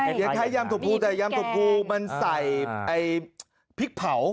กดข้าววางยามทามันใส่ผิ้กเผา